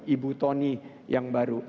ibu tony yang baru